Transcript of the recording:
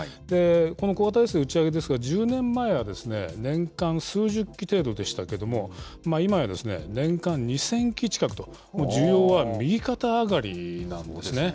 この小型衛星打ち上げですが、１０年前は年間数十機程度でしたけれども、今や年間２０００機近くと、需要は右肩上がりなんですね。